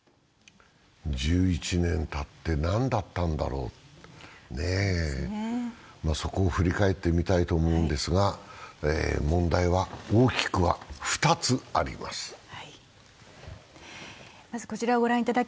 １１年たって、何だったんだろう、そこを振り返ってみたいと思うのですが、問題は大きくは２つあります。